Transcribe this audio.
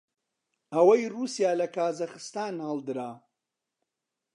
ئەوەی ڕووسیا لە کازاخستان هەڵدرا